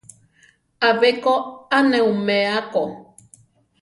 Abé ko a ne umea ko.